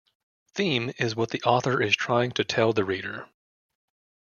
Theme is what the author is trying to tell the reader.